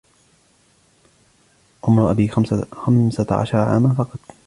عمر أبي خمسةَ عشر عامًا فقط.